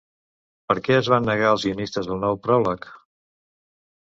Per què es van negar els guionistes al nou pròleg?